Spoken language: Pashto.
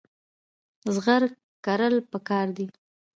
زغر کرل پکار دي.